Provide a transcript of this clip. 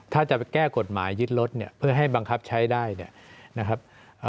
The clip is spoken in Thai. ถ้าจะไปแก้กฎหมายยึดรถเนี่ยเพื่อให้บังคับใช้ได้เนี่ยนะครับ